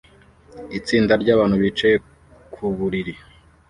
Itsinda ryabantu bicaye ku buriri